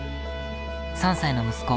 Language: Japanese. ３歳の息子